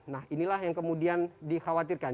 nah inilah yang kemudian dikhawatirkan